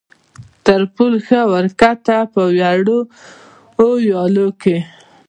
تر پل ښه ور کښته، په وړو ویالو کې.